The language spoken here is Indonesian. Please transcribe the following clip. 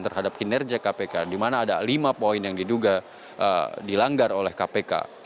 terhadap kinerja kpk di mana ada lima poin yang diduga dilanggar oleh kpk